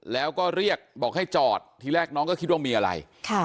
แล้วก็เรียกบอกให้จอดทีแรกน้องก็คิดว่ามีอะไร